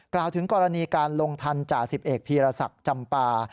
กล่าวถึงกรณีการลงทันจ่าสิบเอกพีรศักดิ์จำปา